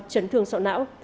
trấn thương sọ não